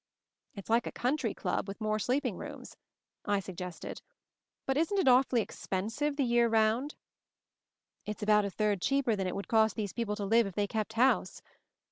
"It's like a country club, with more sleep ing rooms," I suggested. "But isn't it aw fully expensive — the year round?" "It's about a third cheaper than it would cost these people to live if they kept house.